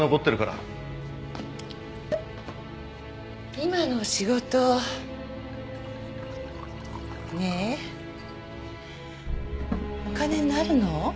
今の仕事ねえお金になるの？